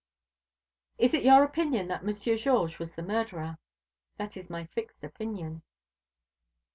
"Is it your opinion that Monsieur Georges was the murderer?" "That is my fixed opinion."